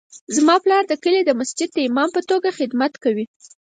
زما پلار د کلي د مسجد د امام په توګه خدمت کوي